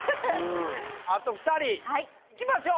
あと２人いきましょう